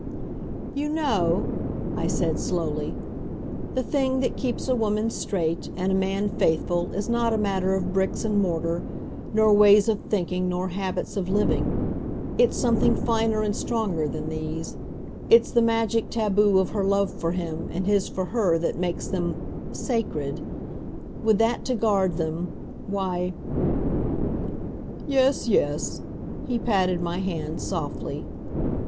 "You know," I said slowly, "the thing that keeps a woman straight and a man faithful is not a matter of bricks and mortar nor ways of thinking nor habits of living. It's something finer and stronger than these. It's the magic taboo of her love for him and his for her that makes them sacred. With that to guard them why " "Yes, yes," he patted my hand softly.